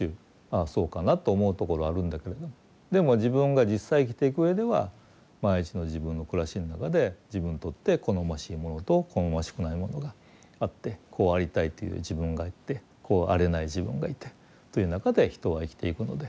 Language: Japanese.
あそうかなと思うところあるんだけどでも自分が実際生きていくうえでは毎日の自分の暮らしの中で自分にとって好ましいものと好ましくないものがあってこうありたいという自分がいてこうあれない自分がいてという中で人は生きていくので。